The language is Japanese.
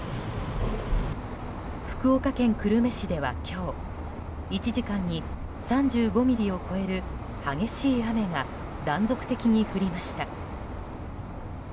福岡県久留米市では今日１時間に３５ミリを超える激しい雨が断続的に降りました。